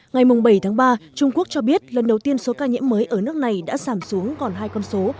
ngày bảy tháng ba trung quốc cho biết lần đầu tiên số ca nhiễm mới ở nước này đã giảm xuống còn hai con số